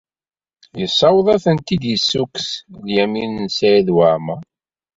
Yessaweḍ ad tent-id-yessukkes Lyamin n Saɛid Waɛmeṛ.